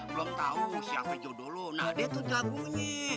belum tau siapa jodoh lu nah dia tuh jago nyi